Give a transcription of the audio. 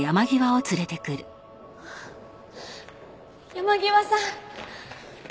山際さん。